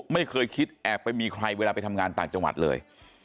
ไม่เคยคิดแอบไปมีใครเวลาไปทำงานต่างจังหวัดเลย